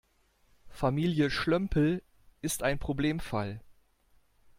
Familie Schlömpel ist ein Problemfall.